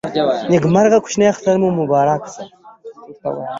نیکمرغه کوچني اختر مو نیکمرغه ښه.